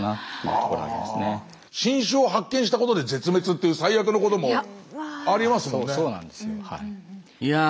新種を発見したことで絶滅っていう最悪のこともありますもんね。